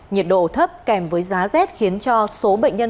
nhiệt độ thấp kèm với giá rét khiến cho số bệnh nhân